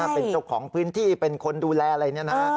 เป็นเจ้าของพื้นที่เป็นคนดูแลอะไรเนี่ยนะฮะ